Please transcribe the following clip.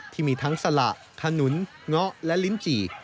ที่มีทั้งสละขนุนเงาะและลิ้นจี่